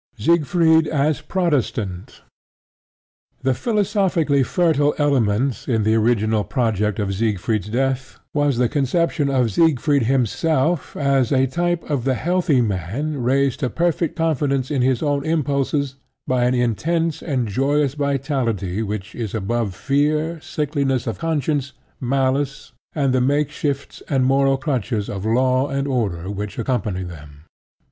SIEGFRIED AS PROTESTANT The philosophically fertile element in the original project of Siegfried's Death was the conception of Siegfried himself as a type of the healthy man raised to perfect confidence in his own impulses by an intense and joyous vitality which is above fear, sickliness of conscience, malice, and the makeshifts and moral crutches of law and order which accompany them.